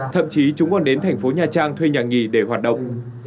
thậm chí chúng còn đến thành phố nha trang thuê nhạc nhì để hoạt động